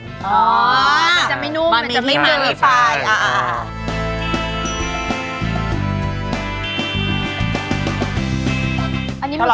อ๋อมันจะไม่นุ่มมันจะไม่มีผ้าย